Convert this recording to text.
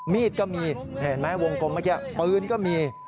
มีดก็มีเห็นไหมวงกลมเมื่อกี้ปืนก็มี